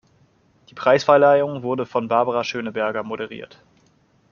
Die Preisverleihung wurde von Barbara Schöneberger moderiert.